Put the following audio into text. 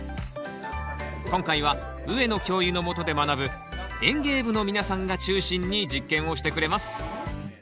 今回は上野教諭のもとで学ぶ園芸部の皆さんが中心に実験をしてくれます